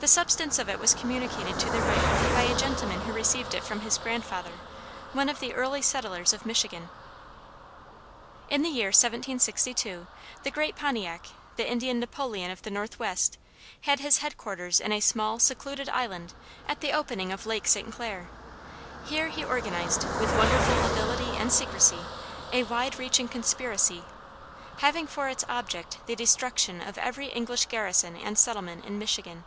The substance of it was communicated to the writer by a gentleman who received it from his grandfather, one of the early settlers of Michigan. In the year 1762 the Great Pontiac, the Indian Napoleon of the Northwest, had his headquarters in a small secluded island at the opening of Lake St. Clair. Here he organized, with wonderful ability and secrecy, a wide reaching conspiracy, having for its object the destruction of every English garrison and settlement in Michigan.